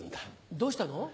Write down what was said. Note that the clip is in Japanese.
どうしたの？